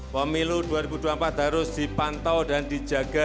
pemilu dua ribu dua puluh empat harus dipantau dan dijaga